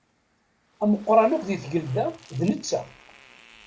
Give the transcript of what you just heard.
Ameqqran akk di tgelda, d netta.